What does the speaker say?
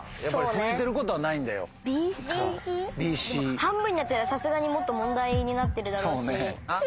でも半分になってたらさすがにもっと問題になってるだろうし。